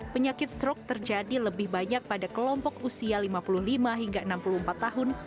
penyakit strok terjadi lebih banyak pada kelompok usia lima puluh lima hingga enam puluh empat tahun